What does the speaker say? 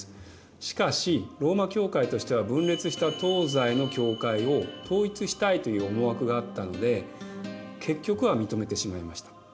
しかしローマ教会としては分裂した東西の教会を統一したいという思惑があったので結局は認めてしまいました。